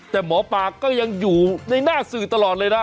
แต่หมอปลาก็ยังอยู่ในหน้าสื่อตลอดเลยนะ